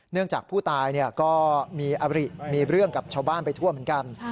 จากผู้ตายก็มีเรื่องกับชาวบ้านไปทั่วเหมือนกัน